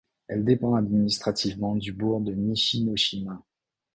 Elle dépend administrativement du bourg de Nishinoshima.